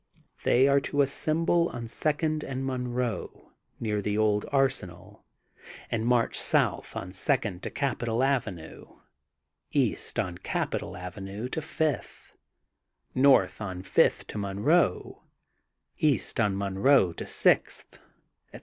They are to assem T^le on Second and Monroe, near the old arse nal, and march south on Second to Capital Avenue, east on Capital Avenue to Fifth, north on Fifth to Monroe, east on Monroe to Sixth, etc.